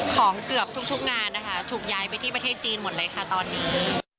เกือบทุกงานนะคะถูกย้ายไปที่ประเทศจีนหมดเลยค่ะตอนนี้